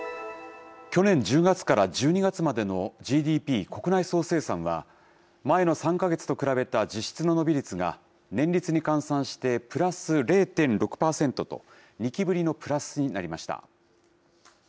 去年１０月から１２月までのＧＤＰ・国内総生産は、前の３か月と比べた実質の伸び率が、年率に換算してプラス０．６％と、２期ぶりのプラスになりました。